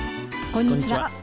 こんにちは。